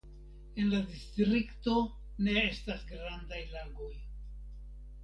En la distrikto ne estas grandaj lagoj.